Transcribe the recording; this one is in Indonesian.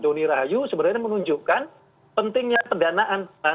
doni rahayu sebenarnya menunjukkan pentingnya pendanaan